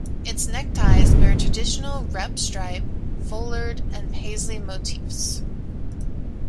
Its neckties bear traditional repp stripe, foulard, and paisley motifs.